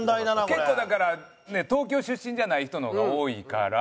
結構だから東京出身じゃない人の方が多いから。